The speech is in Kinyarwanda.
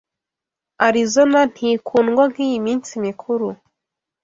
Arizona ntikundwa nkiyi minsi mikuru